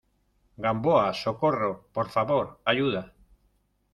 ¡ Gamboa! ¡ socorro !¡ por favor, ayuda !